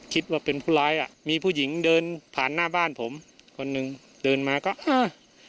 คิดว่าเป็นผู้ร้ายอ่ะมีผู้หญิงเดินผ่านหน้าบ้านผมคนหนึ่งเดินมาก็อ่า